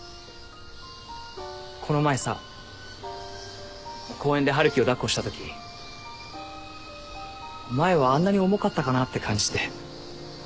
この前さ公園で春樹を抱っこしたとき前はあんなに重かったかなって感じて。